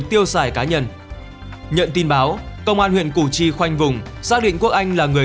tiêu xài cá nhân nhận tin báo công an huyện củ chi khoanh vùng xác định quốc anh là người